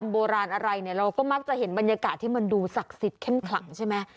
โบราณอะไรเนี่ยเราก็มักจะเห็นบรรยากาศที่มันดูศักดิ์สิทธิ์เข้มขลังใช่ไหม